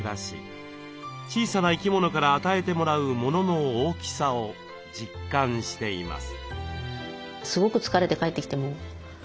小さな生き物から与えてもらうものの大きさを実感しています。